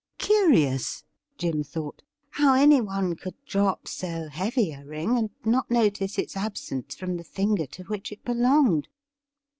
' Curious,' Jim thought, ' how anyone could drop so heavy a ring and not notice its absence from the finger to which it belonged.'